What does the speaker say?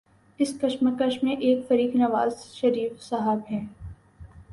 اس کشمکش میں ایک فریق نوازشریف صاحب ہیں